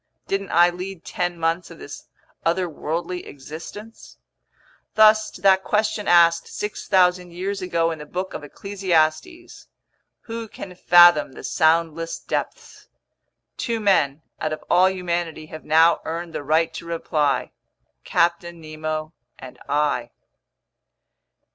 Didn't I lead ten months of this otherworldly existence? Thus to that question asked 6,000 years ago in the Book of Ecclesiastes—"Who can fathom the soundless depths?"—two men out of all humanity have now earned the right to reply. Captain Nemo and I.